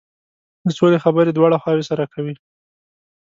د سولې خبرې دواړه خواوې سره کوي.